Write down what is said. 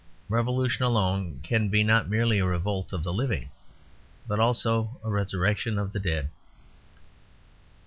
Revolution alone can be not merely a revolt of the living, but also a resurrection of the dead.